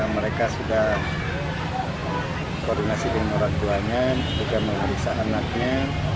mereka sudah koordinasi dengan orang tuanya juga memeriksa anaknya